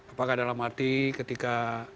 apakah dalam arti ketika